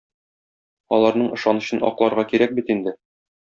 Аларның ышанычын акларга кирәк бит инде.